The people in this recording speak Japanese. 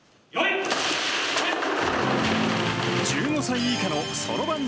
１５歳以下のそろばん